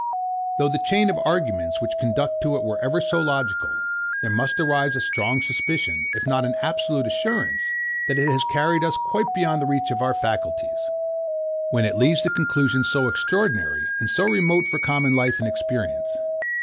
Though the chain of arguments which conduct to it were ever so logical, there must arise a strong suspicion, if not an absolute assurance, that it has carried us quite beyond the reach of our faculties, when it leads to conclusions so extraordinary, and so remote from common life and experience.